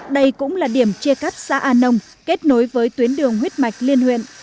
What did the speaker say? đây cũng là điểm chia cắt xã an nông kết nối với tuyến đường huyết mạch liên huyện